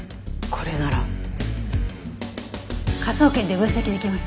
「これなら」？科捜研で分析できます。